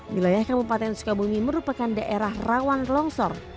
wilayah kabupaten sukabumi merupakan daerah rawan longsor